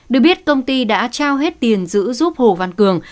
được biết công ty đã trao hết tiền giữ giúp hồ văn cường